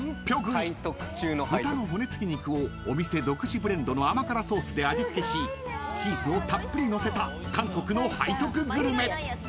［豚の骨付き肉をお店独自ブレンドの甘辛ソースで味付けしチーズをたっぷりのせた韓国の背徳グルメ］